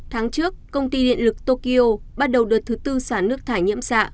tháng trước công ty điện lực tokyo bắt đầu đợt thứ tư xả nước thải nhiễm xạ